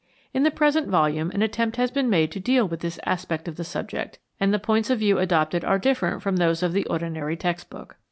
In the present volume an attempt has been made to deal with this aspect of the subject, and the points of view adopted are different from those of the ordinary text book.